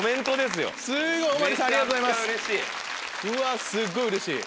すっごいうれしい！